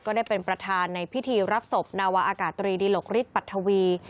ได้เป็นประธานในพิธีรับศพนาวาอากาศตรีดิหลกฤทธปัทวี